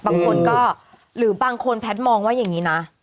บางคนก็หรือบางคนแพทย์มองว่าอย่างนี้นะ